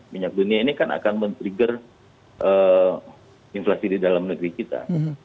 minyak dunia ini kan akan men trigger inflasi di dalam negeri kita